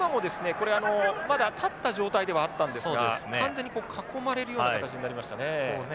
これあのまだ立った状態ではあったんですが完全に囲まれるような形になりましたね。